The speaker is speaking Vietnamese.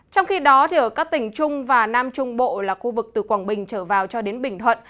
trong khi đó ở các tỉnh trung và nam trung bộ là khu vực từ quảng bình trở vào cho đến bình thuận